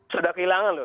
sudah kehilangan loh